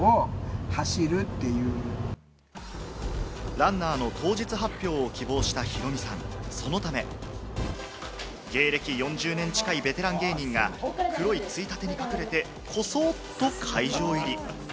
ランナーの当日発表を希望したヒロミさん、そのため芸歴４０年近いベテラン芸人が黒いついたてに囲まれて、こそっと会場入り。